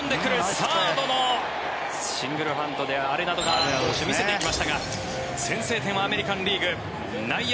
サードのシングルハンドでアレナドが見せていきましたが先制点はアメリカン・リーグ。